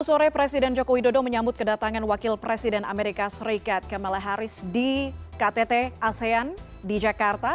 sore presiden joko widodo menyambut kedatangan wakil presiden amerika serikat kamala harris di ktt asean di jakarta